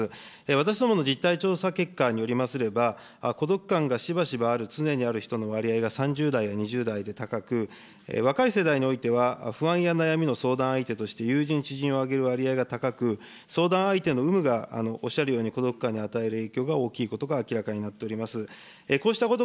私どもの実態調査結果によりますれば、孤独感がしばしばある、常にある３０代や２０代で高く、若い世代においては不安や悩みの相談相手として、友人、知人を挙げる割合が高く、相談相手の有無がおっしゃるように孤独感に与える影響が大きいことが明らかになっております。